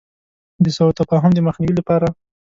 د سو تفاهم د مخنیوي لپاره.